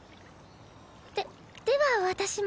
ででは私も。